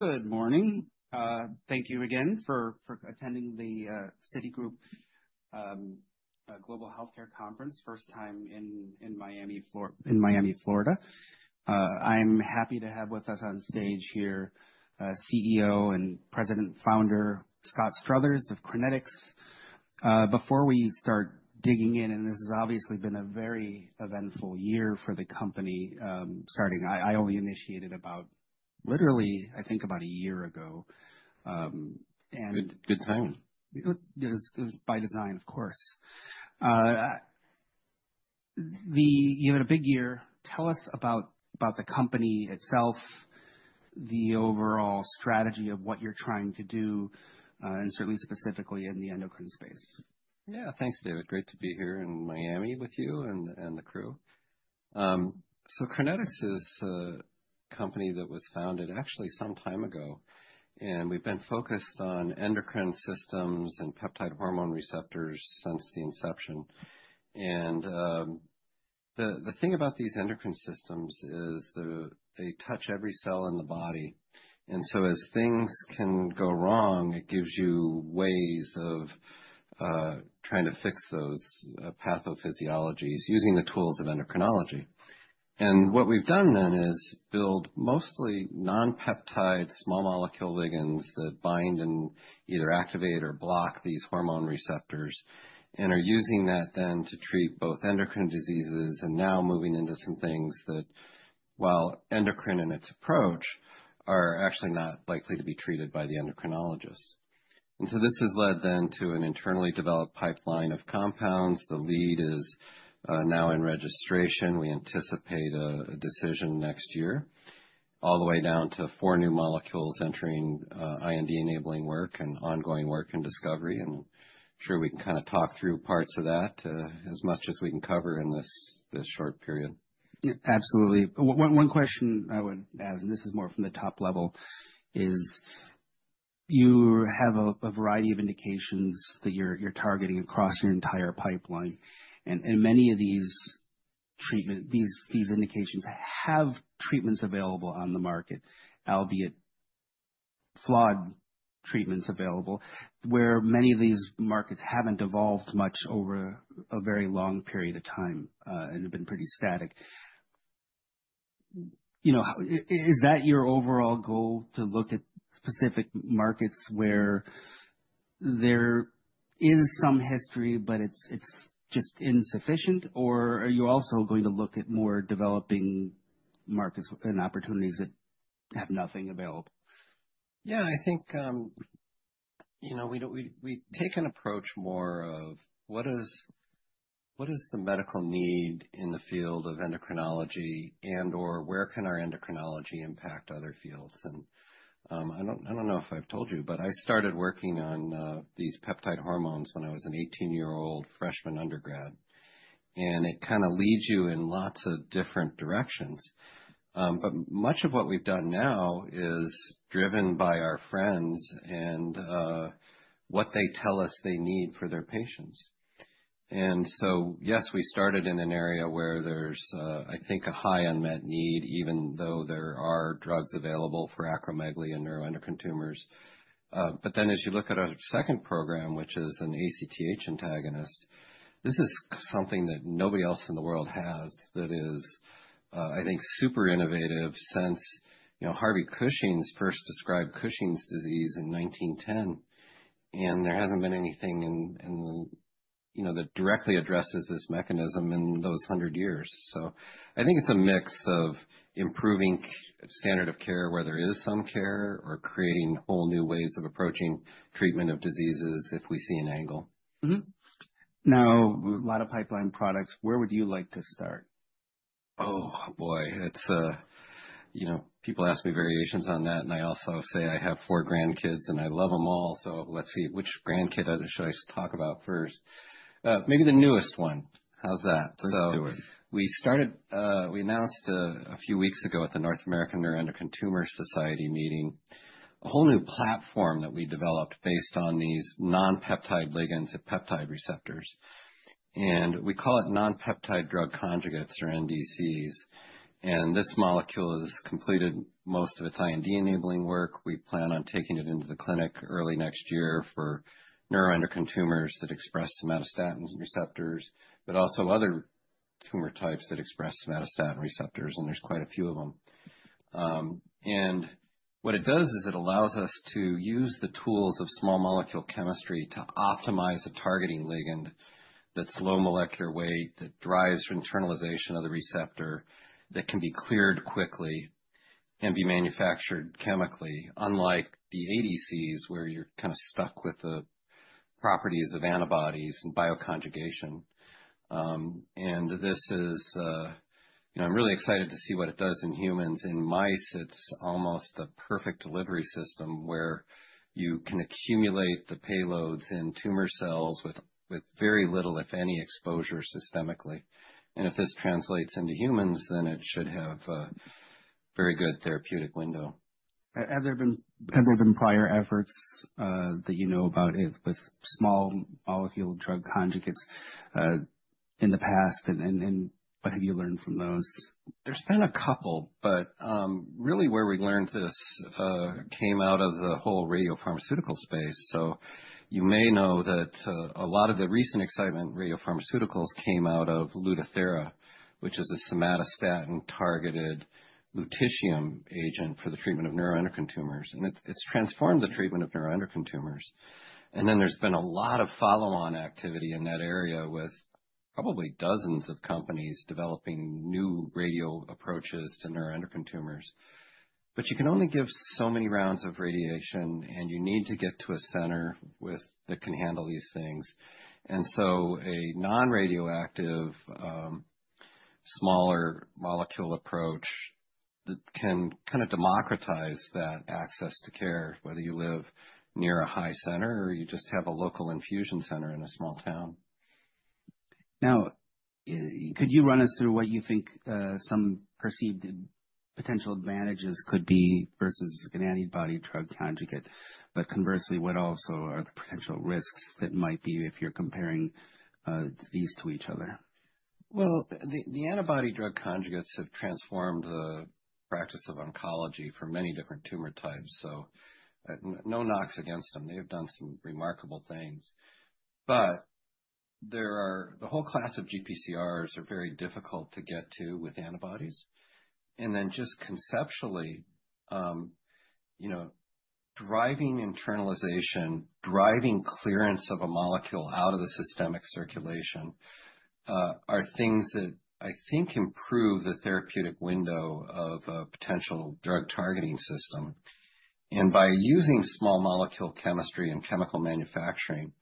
Good morning. Thank you again for attending the Citigroup Global Healthcare Conference, first time in Miami, Florida. I'm happy to have with us on stage here CEO and President Founder Scott Struthers of Crinetics. Before we start digging in, and this has obviously been a very eventful year for the company starting. I only initiated about, literally, I think about a year ago. Good time. It was by design, of course. You have a big year. Tell us about the company itself, the overall strategy of what you're trying to do, and certainly specifically in the endocrine space. Yeah, thanks, David. Great to be here in Miami with you and the crew. So Crinetics is a company that was founded actually some time ago, and we've been focused on endocrine systems and peptide hormone receptors since the inception. And the thing about these endocrine systems is they touch every cell in the body. And so as things can go wrong, it gives you ways of trying to fix those pathophysiologies using the tools of endocrinology. And what we've done then is build mostly non-peptide, small molecule ligands that bind and either activate or block these hormone receptors, and are using that then to treat both endocrine diseases and now moving into some things that, while endocrine in its approach, are actually not likely to be treated by the endocrinologist. And so this has led then to an internally developed pipeline of compounds. The lead is now in registration. We anticipate a decision next year, all the way down to four new molecules entering IND enabling work and ongoing work and discovery, and I'm sure we can kind of talk through parts of that as much as we can cover in this short period. Absolutely. One question I would ask, and this is more from the top level, is you have a variety of indications that you're targeting across your entire pipeline, and many of these treatments, these indications have treatments available on the market, albeit flawed treatments available, where many of these markets haven't evolved much over a very long period of time and have been pretty static. Is that your overall goal to look at specific markets where there is some history, but it's just insufficient? Or are you also going to look at more developing markets and opportunities that have nothing available? Yeah, I think we take an approach more of what is the medical need in the field of endocrinology and/or where can our endocrinology impact other fields? And I don't know if I've told you, but I started working on these peptide hormones when I was an 18-year-old freshman undergrad. And it kind of leads you in lots of different directions. But much of what we've done now is driven by our friends and what they tell us they need for their patients. And so, yes, we started in an area where there's, I think, a high unmet need, even though there are drugs available for acromegaly and neuroendocrine tumors. But then as you look at our second program, which is an ACTH antagonist, this is something that nobody else in the world has that is, I think, super innovative since Harvey Cushing first described Cushing's disease in 1910. And there hasn't been anything that directly addresses this mechanism in those 100 years. So I think it's a mix of improving standard of care where there is some care or creating whole new ways of approaching treatment of diseases if we see an angle. Now, a lot of pipeline products. Where would you like to start? Oh, boy. People ask me variations on that, and I also say I have four grandkids, and I love them all. So let's see, which grandkid should I talk about first? Maybe the newest one. How's that? Let's do it. We announced a few weeks ago at the North American Neuroendocrine Tumor Society meeting a whole new platform that we developed based on these non-peptide ligands and peptide receptors. And we call it non-peptide drug conjugates or NDCs. And this molecule has completed most of its IND-enabling work. We plan on taking it into the clinic early next year for neuroendocrine tumors that express somatostatin receptors, but also other tumor types that express somatostatin receptors, and there's quite a few of them. And what it does is it allows us to use the tools of small molecule chemistry to optimize a targeting ligand that's low molecular weight, that drives internalization of the receptor, that can be cleared quickly and be manufactured chemically, unlike the ADCs where you're kind of stuck with the properties of antibodies and bioconjugation. And I'm really excited to see what it does in humans. In mice, it's almost a perfect delivery system where you can accumulate the payloads in tumor cells with very little, if any, exposure systemically. And if this translates into humans, then it should have a very good therapeutic window. Have there been prior efforts that you know about with small-molecule drug conjugates in the past, and what have you learned from those? There's been a couple, but really where we learned this came out of the whole radiopharmaceutical space. So you may know that a lot of the recent excitement in radiopharmaceuticals came out of Lutathera, which is a somatostatin-targeted lutetium agent for the treatment of neuroendocrine tumors. And it's transformed the treatment of neuroendocrine tumors. And then there's been a lot of follow-on activity in that area with probably dozens of companies developing new radio approaches to neuroendocrine tumors. But you can only give so many rounds of radiation, and you need to get to a center that can handle these things. And so a non-radioactive, smaller molecule approach that can kind of democratize that access to care, whether you live near a high center or you just have a local infusion center in a small town. Now, could you run us through what you think some perceived potential advantages could be versus an antibody drug conjugate? But conversely, what also are the potential risks that might be if you're comparing these to each other? The antibody drug conjugates have transformed the practice of oncology for many different tumor types. So no knocks against them. They have done some remarkable things. But the whole class of GPCRs are very difficult to get to with antibodies. And then just conceptually, driving internalization, driving clearance of a molecule out of the systemic circulation are things that I think improve the therapeutic window of a potential drug targeting system. And by using small molecule chemistry and chemical manufacturing,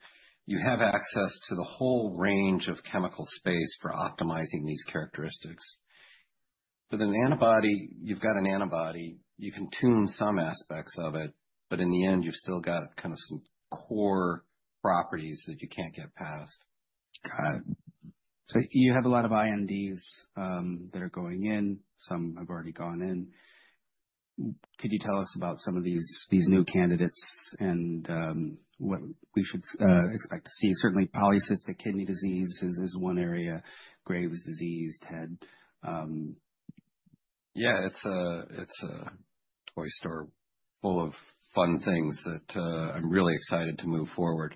you have access to the whole range of chemical space for optimizing these characteristics. With an antibody, you've got an antibody. You can tune some aspects of it, but in the end, you've still got kind of some core properties that you can't get past. Got it, so you have a lot of INDs that are going in. Some have already gone in. Could you tell us about some of these new candidates and what we should expect to see? Certainly, polycystic kidney disease is one area. Graves' disease, TED. Yeah, it's a toy store full of fun things that I'm really excited to move forward.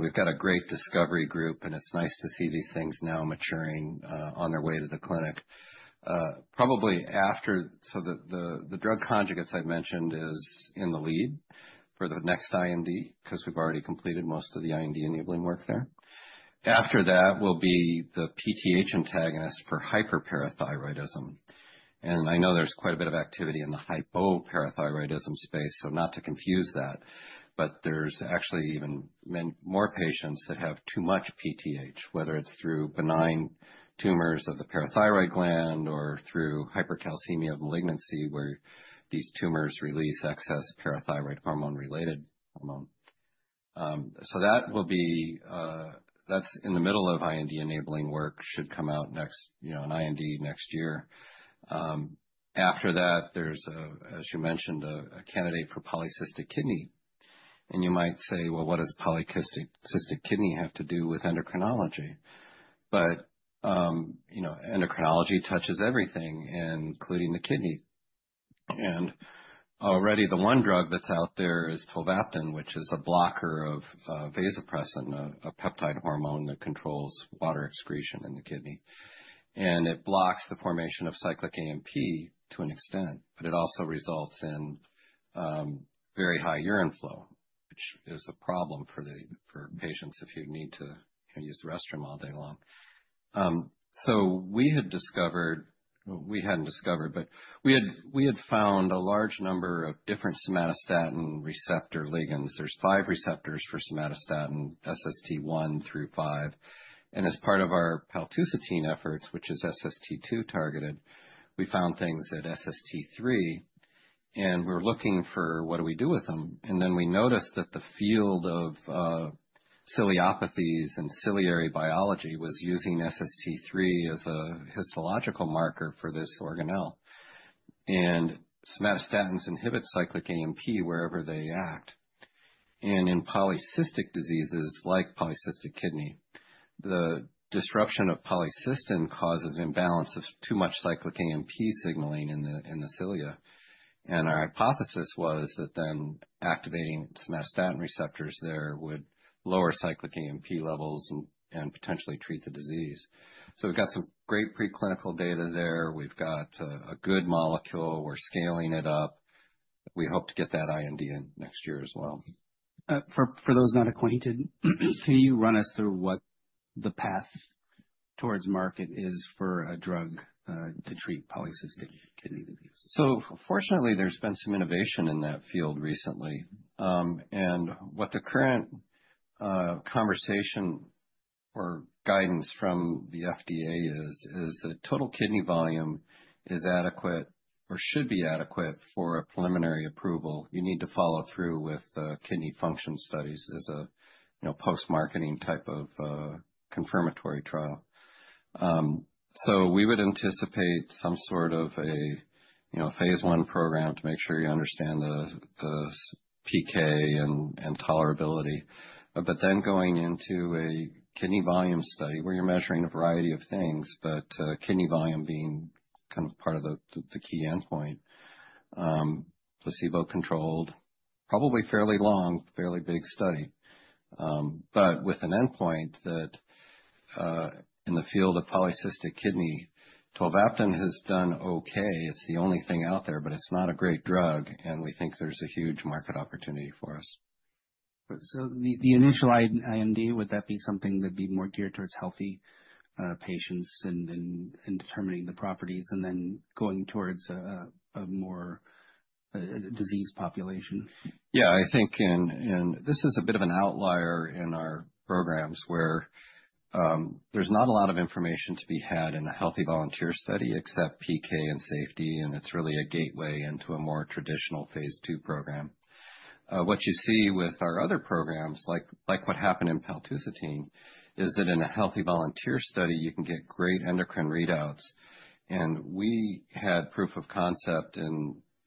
We've got a great discovery group, and it's nice to see these things now maturing on their way to the clinic. Probably after, so the drug conjugates I mentioned are in the lead for the next IND because we've already completed most of the IND-enabling work there. After that will be the PTH antagonist for hyperparathyroidism. And I know there's quite a bit of activity in the hypoparathyroidism space, so not to confuse that, but there's actually even more patients that have too much PTH, whether it's through benign tumors of the parathyroid gland or through hypercalcemia of malignancy where these tumors release excess parathyroid hormone-related hormone. So that's in the middle of IND-enabling work, should come out next, an IND next year. After that, there's, as you mentioned, a candidate for polycystic kidney. And you might say, well, what does polycystic kidney have to do with endocrinology? But endocrinology touches everything, including the kidney. And already the one drug that's out there is tolvaptan, which is a blocker of vasopressin, a peptide hormone that controls water excretion in the kidney. And it blocks the formation of cyclic AMP to an extent, but it also results in very high urine flow, which is a problem for patients if you need to use the restroom all day long. So we had discovered, well, we hadn't discovered, but we had found a large number of different somatostatin receptor ligands. There's five receptors for somatostatin, SST1 through 5. And as part of our paltusotine efforts, which is SST2 targeted, we found things at SST3. And we're looking for what do we do with them. And then we noticed that the field of ciliopathies and ciliary biology was using SST3 as a histological marker for this organelle. And somatostatins inhibit cyclic AMP wherever they act. And in polycystic diseases like polycystic kidney, the disruption of polycystin causes imbalance of too much cyclic AMP signaling in the cilia. And our hypothesis was that then activating somatostatin receptors there would lower cyclic AMP levels and potentially treat the disease. So we've got some great preclinical data there. We've got a good molecule. We're scaling it up. We hope to get that IND in next year as well. For those not acquainted, can you run us through what the path towards market is for a drug to treat polycystic kidney disease? Fortunately, there's been some innovation in that field recently. What the current conversation or guidance from the FDA is that total kidney volume is adequate or should be adequate for a preliminary approval. You need to follow through with kidney function studies as a post-marketing type of confirmatory trial. We would anticipate some sort of a phase one program to make sure you understand the PK and tolerability. Then going into a kidney volume study where you're measuring a variety of things, but kidney volume being kind of part of the key endpoint, placebo-controlled, probably fairly long, fairly big study. With an endpoint that in the field of polycystic kidney, tolvaptan has done okay. It's the only thing out there, but it's not a great drug. We think there's a huge market opportunity for us. So the initial IND, would that be something that'd be more geared towards healthy patients in determining the properties and then going towards a more diseased population? Yeah, I think, and this is a bit of an outlier in our programs where there's not a lot of information to be had in a healthy volunteer study except PK and safety. And it's really a gateway into a more traditional phase two program. What you see with our other programs, like what happened in paltusotine, is that in a healthy volunteer study, you can get great endocrine readouts. And we had proof of concept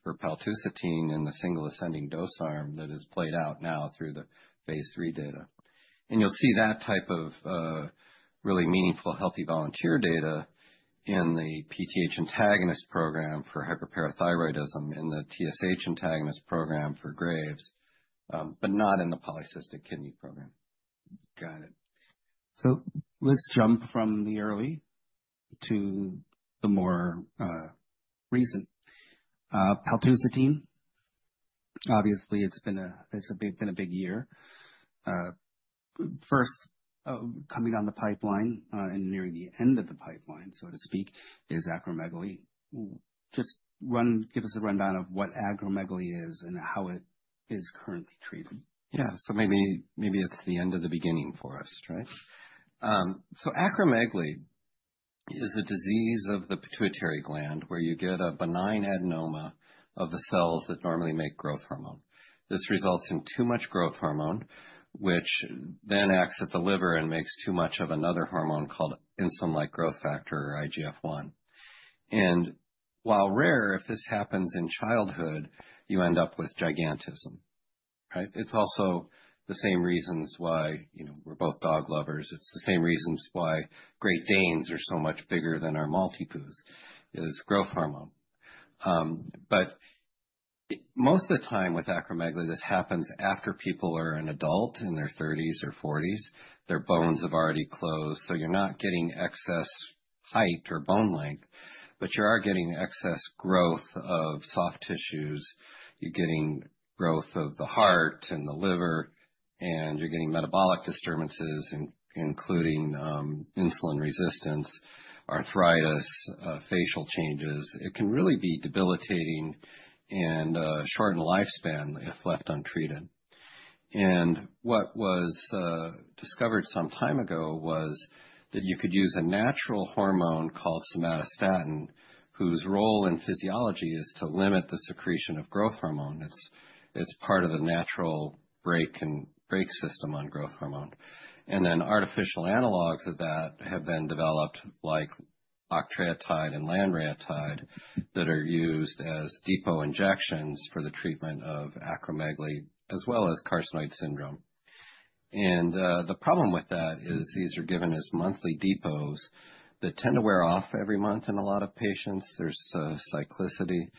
for paltusotine in the single ascending dose arm that has played out now through the phase three data. And you'll see that type of really meaningful healthy volunteer data in the PTH antagonist program for hyperparathyroidism, in the TSH antagonist program for Graves, but not in the polycystic kidney program. Got it, so let's jump from the early to the more recent. Paltusotine, obviously, it's been a big year. First coming on the pipeline and nearing the end of the pipeline, so to speak, is acromegaly. Just give us a rundown of what acromegaly is and how it is currently treated? Yeah, so maybe it's the end of the beginning for us, right? So acromegaly is a disease of the pituitary gland where you get a benign adenoma of the cells that normally make growth hormone. This results in too much growth hormone, which then acts at the liver and makes too much of another hormone called insulin-like growth factor or IGF-1. And while rare, if this happens in childhood, you end up with gigantism, right? It's also the same reasons why we're both dog lovers. It's the same reasons why Great Danes are so much bigger than our Maltipoos is growth hormone. But most of the time with acromegaly, this happens after people are an adult in their 30s or 40s. Their bones have already closed, so you're not getting excess height or bone length, but you are getting excess growth of soft tissues. You're getting growth of the heart and the liver, and you're getting metabolic disturbances, including insulin resistance, arthritis, facial changes. It can really be debilitating and shorten lifespan if left untreated. And what was discovered some time ago was that you could use a natural hormone called somatostatin, whose role in physiology is to limit the secretion of growth hormone. It's part of the natural brake system on growth hormone. And then artificial analogs of that have been developed, like octreotide and lanreotide, that are used as depot injections for the treatment of acromegaly, as well as carcinoid syndrome. And the problem with that is these are given as monthly depots that tend to wear off every month in a lot of patients. There's cyclicity.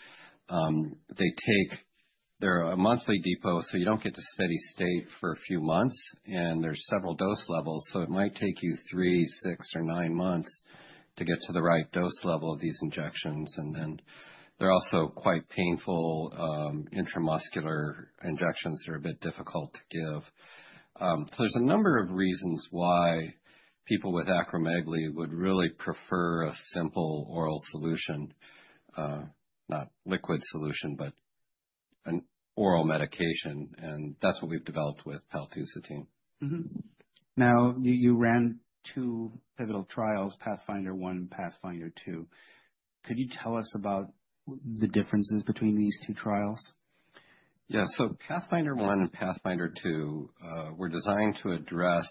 They're a monthly depot, so you don't get to steady state for a few months, and there's several dose levels. So it might take you three, six, or nine months to get to the right dose level of these injections. And then they're also quite painful intramuscular injections that are a bit difficult to give. So there's a number of reasons why people with acromegaly would really prefer a simple oral solution, not liquid solution, but an oral medication. And that's what we've developed with paltusotine. Now, you ran two pivotal trials, Pathfinder One and Pathfinder Two. Could you tell us about the differences between these two trials? Yeah, so Pathfinder One and Pathfinder Two were designed to address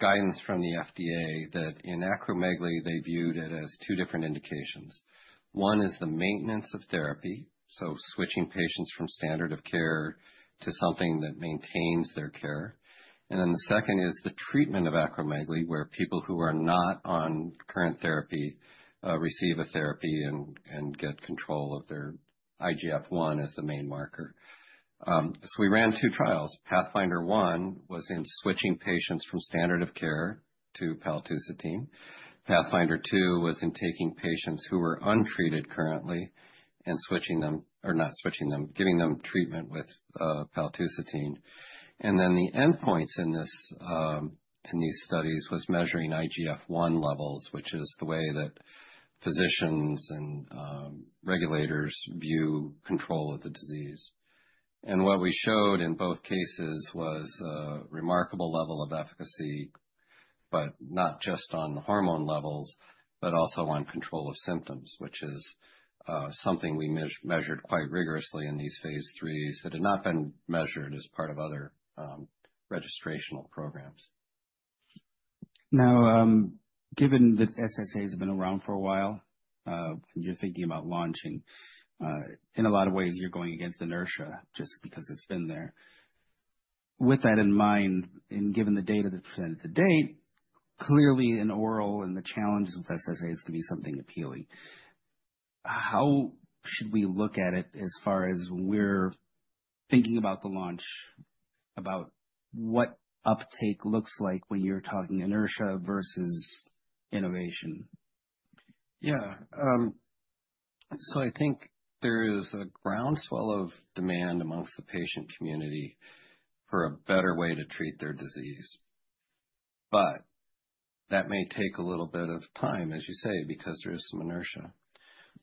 guidance from the FDA that in acromegaly, they viewed it as two different indications. One is the maintenance of therapy, so switching patients from standard of care to something that maintains their care. And then the second is the treatment of acromegaly where people who are not on current therapy receive a therapy and get control of their IGF-1 as the main marker. So we ran two trials. Pathfinder One was in switching patients from standard of care to paltusotine. Pathfinder Two was in taking patients who were untreated currently and switching them, or not switching them, giving them treatment with paltusotine. And then the endpoints in these studies were measuring IGF-1 levels, which is the way that physicians and regulators view control of the disease. What we showed in both cases was a remarkable level of efficacy, but not just on hormone levels, but also on control of symptoms, which is something we measured quite rigorously in these phase threes that had not been measured as part of other registrational programs. Now, given that SSA has been around for a while, you're thinking about launching. In a lot of ways, you're going against inertia just because it's been there. With that in mind, and given the data that's presented to date, clearly an oral and the challenges with SSAs can be something appealing. How should we look at it as far as when we're thinking about the launch, about what uptake looks like when you're talking inertia versus innovation? Yeah. So I think there is a groundswell of demand amongst the patient community for a better way to treat their disease. But that may take a little bit of time, as you say, because there is some inertia.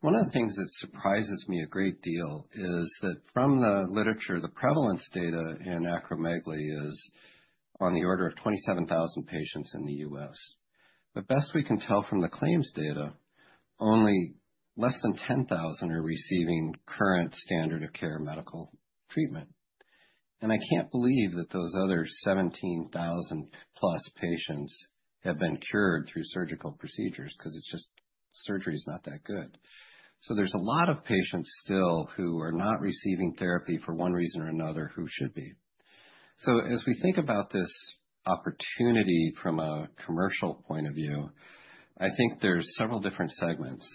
One of the things that surprises me a great deal is that from the literature, the prevalence data in acromegaly is on the order of 27,000 patients in the U.S. But best we can tell from the claims data, only less than 10,000 are receiving current standard of care medical treatment. And I can't believe that those other 17,000 plus patients have been cured through surgical procedures because it's just surgery is not that good. So there's a lot of patients still who are not receiving therapy for one reason or another who should be. So as we think about this opportunity from a commercial point of view, I think there's several different segments.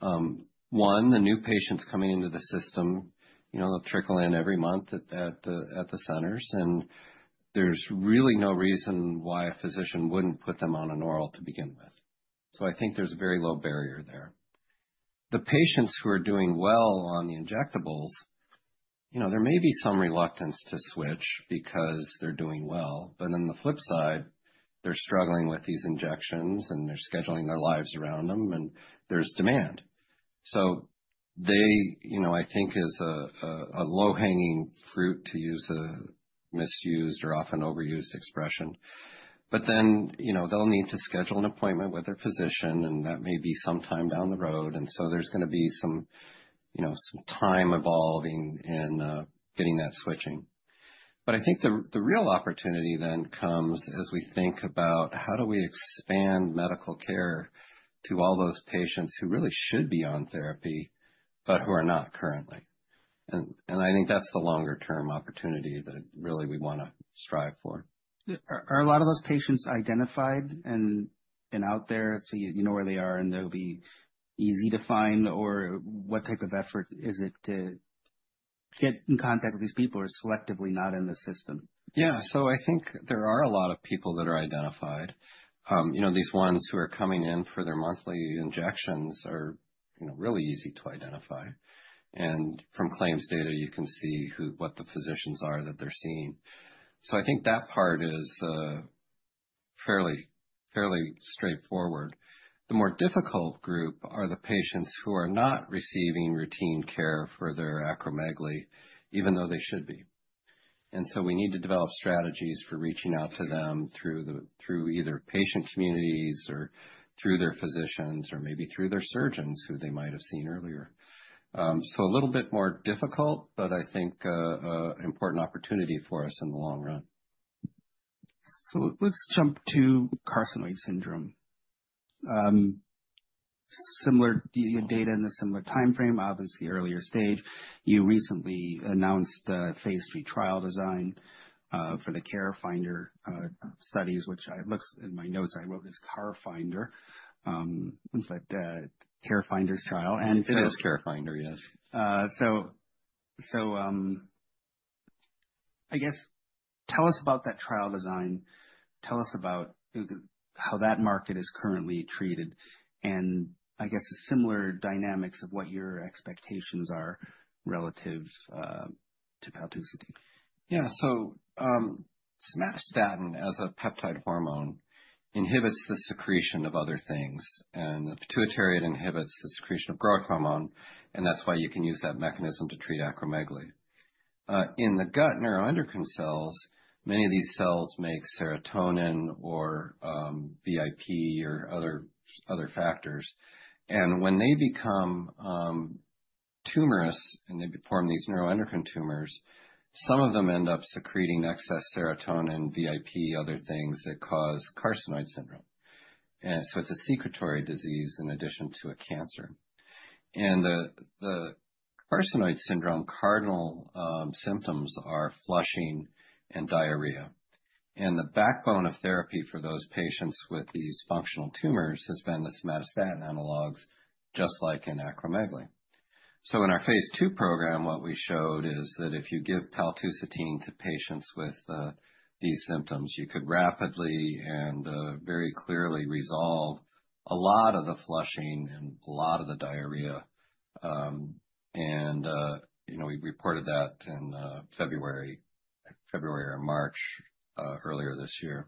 One, the new patients coming into the system, they'll trickle in every month at the centers. And there's really no reason why a physician wouldn't put them on an oral to begin with. So I think there's a very low barrier there. The patients who are doing well on the injectables, there may be some reluctance to switch because they're doing well. But on the flip side, they're struggling with these injections and they're scheduling their lives around them, and there's demand. So they, I think, is a low-hanging fruit to use a misused or often overused expression. But then they'll need to schedule an appointment with their physician, and that may be sometime down the road. And so there's going to be some time evolving in getting that switching. But I think the real opportunity then comes as we think about how do we expand medical care to all those patients who really should be on therapy, but who are not currently. And I think that's the longer-term opportunity that really we want to strive for. Are a lot of those patients identified and out there? So you know where they are and they'll be easy to find, or what type of effort is it to get in contact with these people who are selectively not in the system? Yeah, so I think there are a lot of people that are identified. These ones who are coming in for their monthly injections are really easy to identify, and from claims data, you can see what the physicians are that they're seeing, so I think that part is fairly straightforward. The more difficult group are the patients who are not receiving routine care for their acromegaly, even though they should be, and so we need to develop strategies for reaching out to them through either patient communities or through their physicians or maybe through their surgeons who they might have seen earlier, so a little bit more difficult, but I think an important opportunity for us in the long run. So let's jump to carcinoid syndrome. Similar data in a similar timeframe, obviously earlier stage. You recently announced a phase three trial design for the Carefinder studies, which looks in my notes I wrote as Carfinder, but Carefinder's trial. It is Carefinder, yes. So I guess tell us about that trial design. Tell us about how that market is currently treated and I guess similar dynamics of what your expectations are relative to paltusotine. Yeah, so somatostatin as a peptide hormone inhibits the secretion of other things. And the pituitary inhibits the secretion of growth hormone. And that's why you can use that mechanism to treat acromegaly. In the gut neuroendocrine cells, many of these cells make serotonin or VIP or other factors. And when they become tumorous and they form these neuroendocrine tumors, some of them end up secreting excess serotonin, VIP, other things that cause carcinoid syndrome. And so it's a secretory disease in addition to a cancer. And the carcinoid syndrome cardinal symptoms are flushing and diarrhea. And the backbone of therapy for those patients with these functional tumors has been the somatostatin analogs, just like in acromegaly. So in our phase two program, what we showed is that if you give paltusotine to patients with these symptoms, you could rapidly and very clearly resolve a lot of the flushing and a lot of the diarrhea. And we reported that in February or March earlier this year.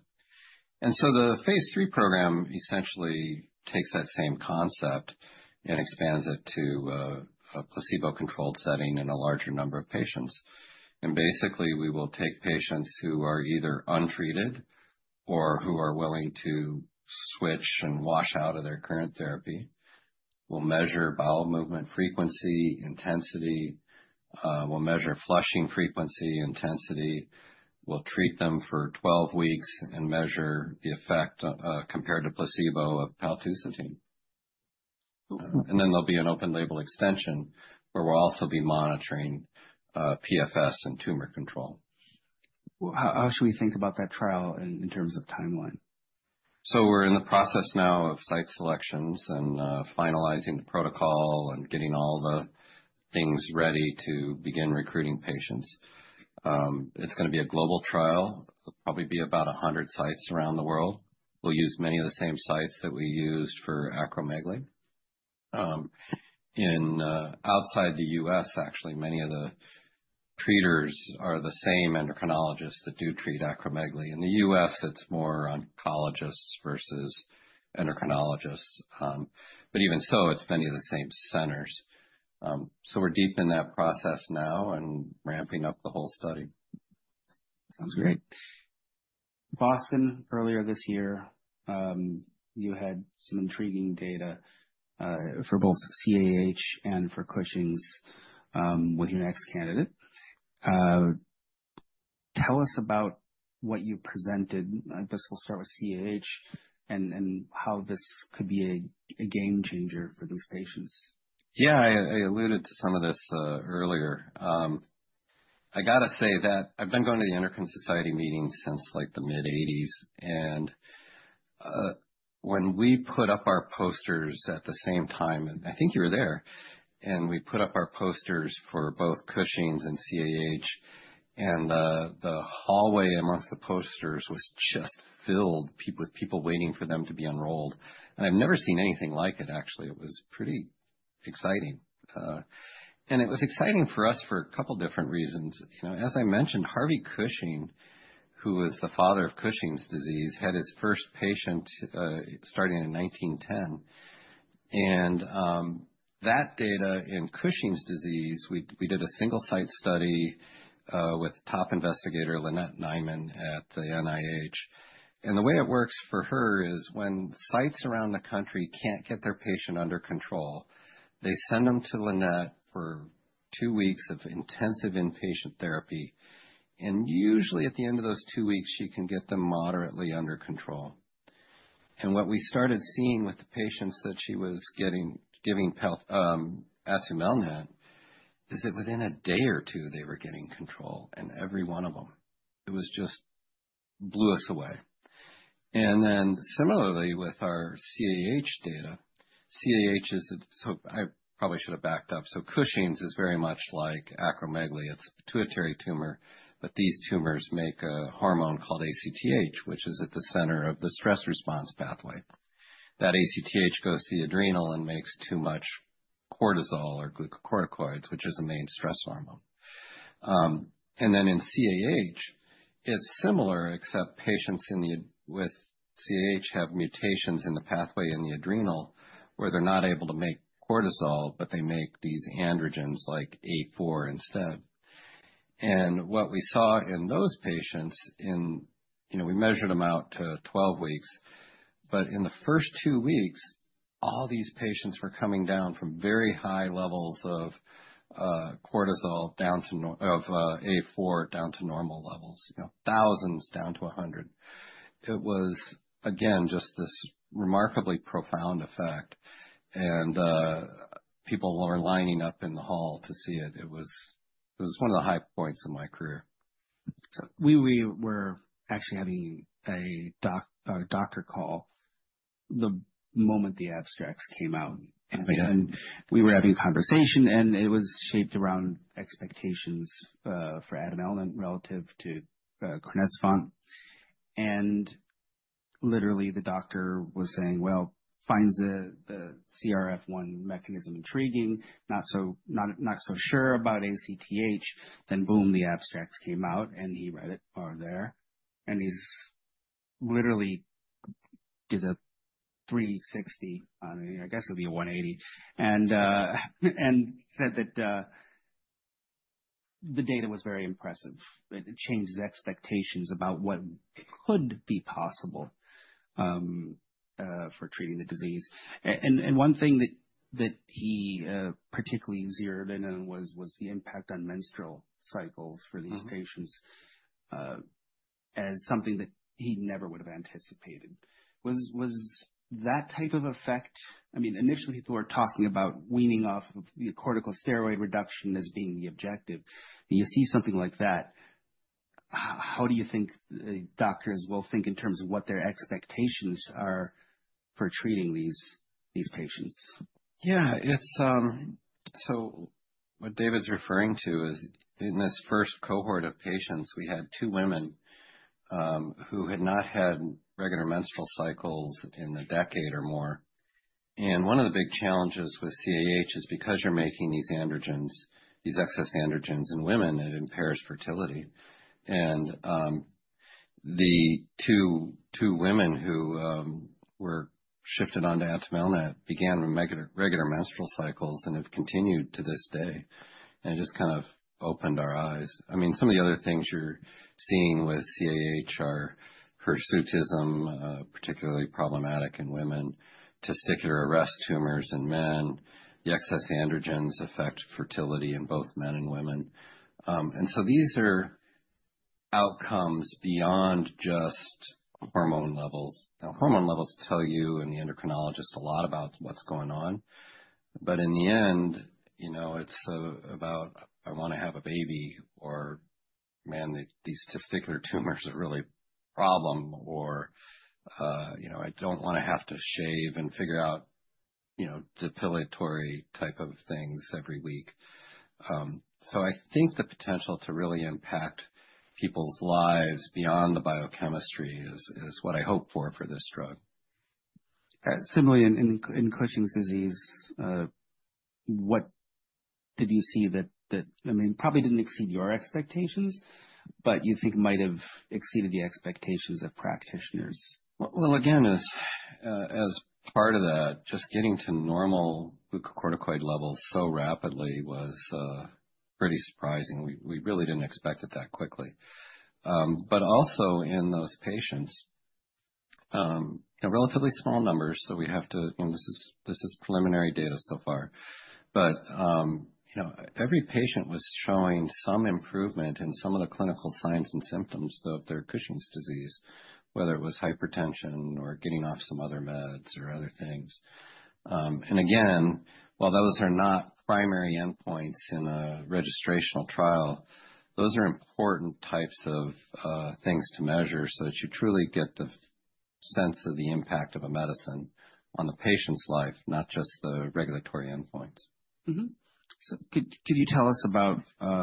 And so the phase three program essentially takes that same concept and expands it to a placebo-controlled setting in a larger number of patients. And basically, we will take patients who are either untreated or who are willing to switch and wash out of their current therapy. We'll measure bowel movement frequency, intensity. We'll measure flushing frequency, intensity. We'll treat them for 12 weeks and measure the effect compared to placebo of paltusotine. And then there'll be an open-label extension where we'll also be monitoring PFS and tumor control. How should we think about that trial in terms of timeline? So we're in the process now of site selections and finalizing the protocol and getting all the things ready to begin recruiting patients. It's going to be a global trial. It'll probably be about 100 sites around the world. We'll use many of the same sites that we used for acromegaly. Outside the U.S., actually, many of the treaters are the same endocrinologists that do treat acromegaly. In the U.S., it's more oncologists versus endocrinologists. But even so, it's many of the same centers. So we're deep in that process now and ramping up the whole study. Sounds great. Boston, earlier this year, you had some intriguing data for both CAH and for Cushing's with your next candidate. Tell us about what you presented. I guess we'll start with CAH and how this could be a game changer for these patients. Yeah, I alluded to some of this earlier. I got to say that I've been going to the Endocrine Society meetings since the mid-80s, and when we put up our posters at the same time, and I think you were there, and we put up our posters for both Cushing's and CAH, and the hallway among the posters was just filled with people waiting for them to be enrolled, and I've never seen anything like it, actually. It was pretty exciting, and it was exciting for us for a couple of different reasons. As I mentioned, Harvey Cushing, who was the father of Cushing's disease, had his first patient starting in 1910, and that data in Cushing's disease, we did a single-site study with top investigator Lynnette Nieman at the NIH. And the way it works for her is when sites around the country can't get their patient under control, they send them to Lynnette for two weeks of intensive inpatient therapy, and usually at the end of those two weeks, she can get them moderately under control, and what we started seeing with the patients that she was giving atumelnant is that within a day or two, they were getting control, and every one of them. It just blew us away, and then similarly with our CAH data, CAH is, so I probably should have backed up, so Cushing's is very much like acromegaly. It's a pituitary tumor, but these tumors make a hormone called ACTH, which is at the center of the stress response pathway. That ACTH goes to the adrenal and makes too much cortisol or glucocorticoids, which is a main stress hormone. And then in CAH, it's similar, except patients with CAH have mutations in the pathway in the adrenal where they're not able to make cortisol, but they make these androgens like A4 instead. And what we saw in those patients, we measured them out to 12 weeks, but in the first two weeks, all these patients were coming down from very high levels of cortisol of A4 down to normal levels, thousands down to 100. It was, again, just this remarkably profound effect. And people were lining up in the hall to see it. It was one of the high points of my career. We were actually having a doctor call the moment the abstracts came out, and we were having a conversation, and it was shaped around expectations for atumelnant relative to crinecerfont, and literally, the doctor was saying, "Well, finds the CRF1 mechanism intriguing, not so sure about ACTH," then boom, the abstracts came out, and he read it over there, and he literally did a 360, I guess it'll be a 180, and said that the data was very impressive. It changed his expectations about what could be possible for treating the disease, and one thing that he particularly zeroed in on was the impact on menstrual cycles for these patients as something that he never would have anticipated. Was that type of effect? I mean, initially, people were talking about weaning off of corticosteroid reduction as being the objective. When you see something like that, how do you think doctors will think in terms of what their expectations are for treating these patients? Yeah, so what David's referring to is in this first cohort of patients, we had two women who had not had regular menstrual cycles in a decade or more. And one of the big challenges with CAH is because you're making these excess androgens in women, it impairs fertility. And the two women who were shifted on to atumelnant began regular menstrual cycles and have continued to this day. And it just kind of opened our eyes. I mean, some of the other things you're seeing with CAH are hirsutism, particularly problematic in women, testicular arrest tumors in men. The excess androgens affect fertility in both men and women. And so these are outcomes beyond just hormone levels. Now, hormone levels tell you and the endocrinologist a lot about what's going on. But in the end, it's about, "I want to have a baby," or, "Man, these testicular tumors are really a problem," or, "I don't want to have to shave and figure out depilatory type of things every week." So I think the potential to really impact people's lives beyond the biochemistry is what I hope for for this drug. Similarly, in Cushing's disease, what did you see that, I mean, probably didn't exceed your expectations, but you think might have exceeded the expectations of practitioners? Again, as part of that, just getting to normal glucocorticoid levels so rapidly was pretty surprising. We really didn't expect it that quickly. Also in those patients, relatively small numbers, so we have to. This is preliminary data so far. Every patient was showing some improvement in some of the clinical signs and symptoms of their Cushing's disease, whether it was hypertension or getting off some other meds or other things. Again, while those are not primary endpoints in a registrational trial, those are important types of things to measure so that you truly get the sense of the impact of a medicine on the patient's life, not just the regulatory endpoints. So could you tell us about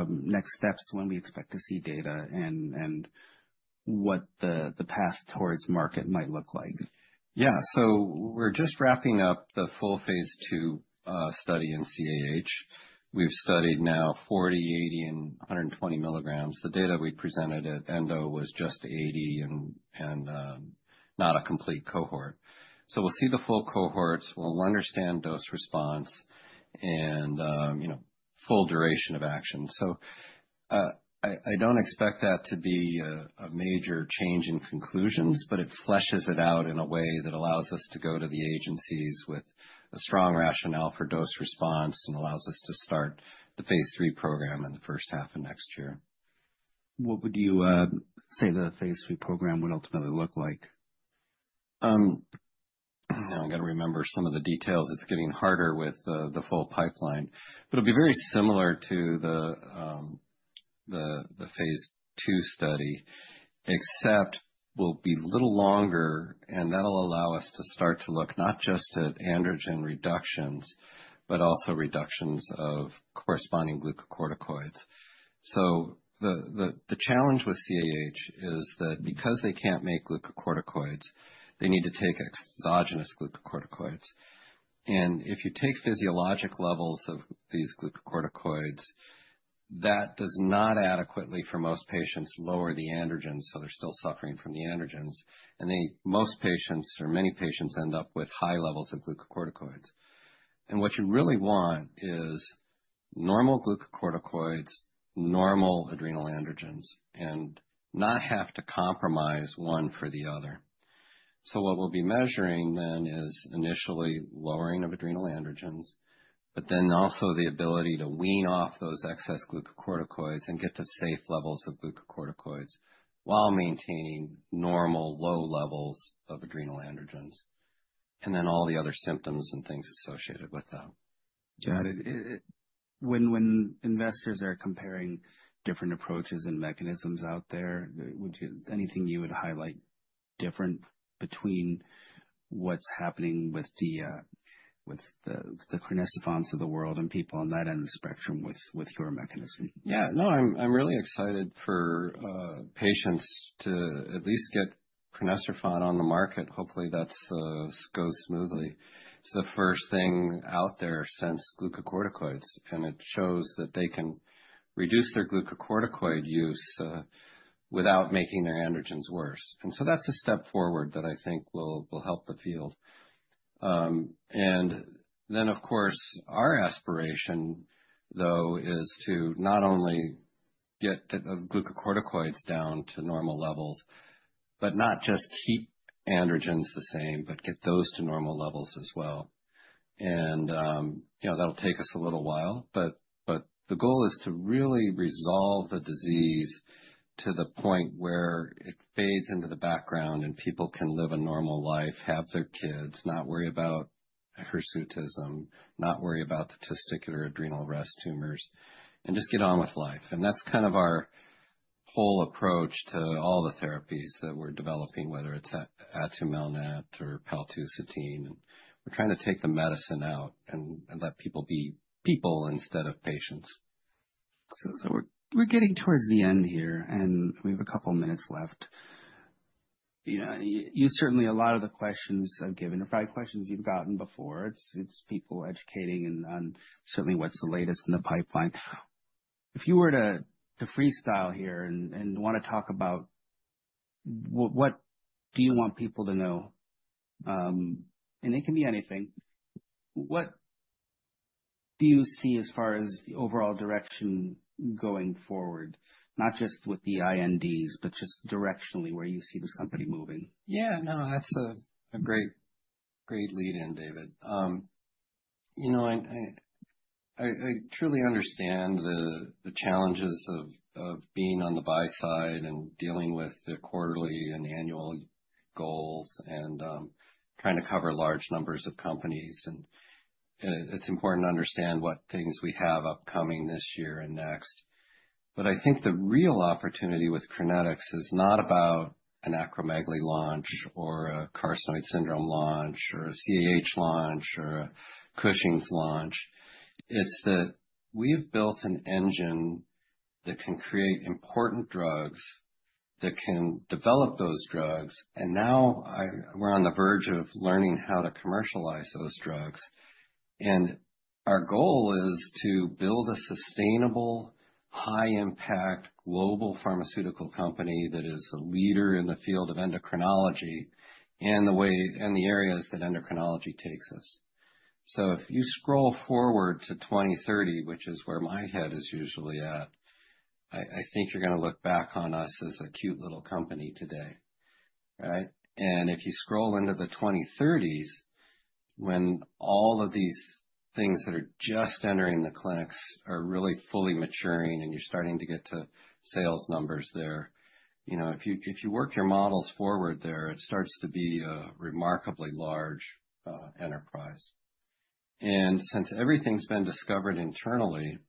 next steps when we expect to see data and what the path towards market might look like? Yeah, so we're just wrapping up the full phase two study in CAH. We've studied now 40, 80, and 120 milligrams. The data we presented at Endo was just 80 and not a complete cohort. So we'll see the full cohorts. We'll understand dose response and full duration of action. So I don't expect that to be a major change in conclusions, but it fleshes it out in a way that allows us to go to the agencies with a strong rationale for dose response and allows us to start the phase three program in the first half of next year. What would you say the phase three program would ultimately look like? Now, I got to remember some of the details. It's getting harder with the full pipeline, but it'll be very similar to the phase two study, except it will be a little longer, and that'll allow us to start to look not just at androgen reductions, but also reductions of corresponding glucocorticoids, so the challenge with CAH is that because they can't make glucocorticoids, they need to take exogenous glucocorticoids, and if you take physiologic levels of these glucocorticoids, that does not adequately for most patients lower the androgens, so they're still suffering from the androgens, and most patients or many patients end up with high levels of glucocorticoids, and what you really want is normal glucocorticoids, normal adrenal androgens, and not have to compromise one for the other. So what we'll be measuring then is initially lowering of adrenal androgens, but then also the ability to wean off those excess glucocorticoids and get to safe levels of glucocorticoids while maintaining normal low levels of adrenal androgens, and then all the other symptoms and things associated with that. Got it. When investors are comparing different approaches and mechanisms out there, anything you would highlight different between what's happening with the crinecerfonts of the world and people on that end of the spectrum with your mechanism? Yeah, no, I'm really excited for patients to at least get crinecerfont on the market. Hopefully, that goes smoothly. It's the first thing out there since glucocorticoids, and it shows that they can reduce their glucocorticoid use without making their androgens worse. And so that's a step forward that I think will help the field. And then, of course, our aspiration, though, is to not only get the glucocorticoids down to normal levels, but not just keep androgens the same, but get those to normal levels as well. And that'll take us a little while, but the goal is to really resolve the disease to the point where it fades into the background and people can live a normal life, have their kids, not worry about hirsutism, not worry about the testicular adrenal rest tumors, and just get on with life. And that's kind of our whole approach to all the therapies that we're developing, whether it's atumelnant or paltusotine. We're trying to take the medicine out and let people be people instead of patients. So we're getting towards the end here, and we have a couple of minutes left. You certainly, a lot of the questions I've given are probably questions you've gotten before. It's people educating on certainly what's the latest in the pipeline. If you were to freestyle here and want to talk about what do you want people to know, and it can be anything, what do you see as far as the overall direction going forward, not just with the INDs, but just directionally where you see this company moving? Yeah, no, that's a great lead-in, David. You know, I truly understand the challenges of being on the buy side and dealing with the quarterly and annual goals and trying to cover large numbers of companies. And it's important to understand what things we have upcoming this year and next. But I think the real opportunity with Crinetics is not about an acromegaly launch or a carcinoid syndrome launch or a CAH launch or a Cushing's launch. It's that we've built an engine that can create important drugs that can develop those drugs. And now we're on the verge of learning how to commercialize those drugs. And our goal is to build a sustainable, high-impact global pharmaceutical company that is a leader in the field of endocrinology and the areas that endocrinology takes us. So if you scroll forward to 2030, which is where my head is usually at, I think you're going to look back on us as a cute little company today, right? And if you scroll into the 2030s, when all of these things that are just entering the clinics are really fully maturing and you're starting to get to sales numbers there, if you work your models forward there, it starts to be a remarkably large enterprise. And since everything's been discovered internally,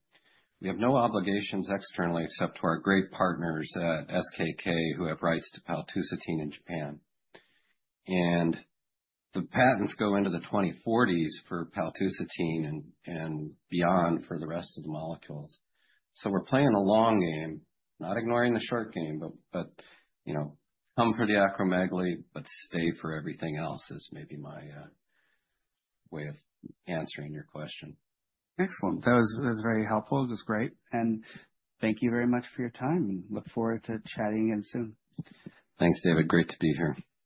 we have no obligations externally except to our great partners at SKK who have rights to paltusotine in Japan. And the patents go into the 2040s for paltusotine and beyond for the rest of the molecules. So we're playing the long game, not ignoring the short game, but come for the acromegaly, but stay for everything else is maybe my way of answering your question. Excellent. That was very helpful. It was great. And thank you very much for your time, and look forward to chatting again soon. Thanks, David. Great to be here.